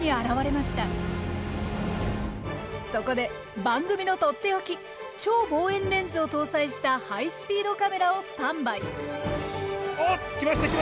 そこで番組のとっておき超望遠レンズを搭載したハイスピードカメラをスタンバイ。